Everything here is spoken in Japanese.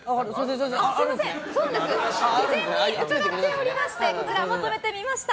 事前に伺っておりましてまとめてみました。